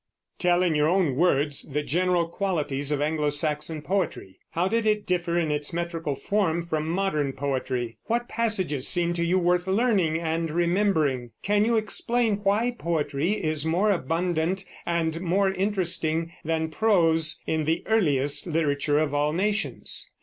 Tell in your own words the general qualities of Anglo Saxon poetry. How did it differ in its metrical form from modern poetry? What passages seem to you worth learning and remembering? Can you explain why poetry is more abundant and more interesting than prose in the earliest literature of all nations?